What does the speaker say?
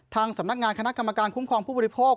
สำนักงานคณะกรรมการคุ้มครองผู้บริโภค